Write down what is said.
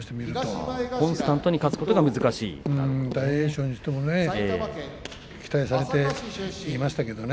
コンスタントに勝つという大栄翔も期待されていましたけどね